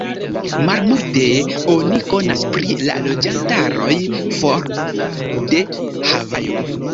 Malmulte oni konas pri la loĝantaroj for de Havajo.